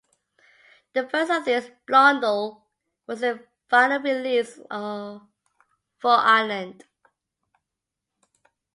The first of these, "Blondel," was their final release for Island.